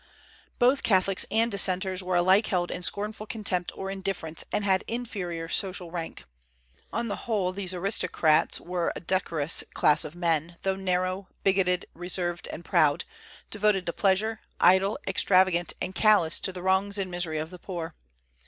Both Catholics and Dissenters were alike held in scornful contempt or indifference, and had inferior social rank. On the whole, these aristocrats were a decorous class of men, though narrow, bigoted, reserved, and proud, devoted to pleasure, idle, extravagant, and callous to the wrongs and miseries of the poor.